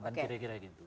kan kira kira gitu